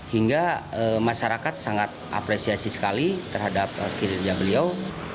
hingga masyarakat sangat apresiasi sekali terhadap kinerja beliau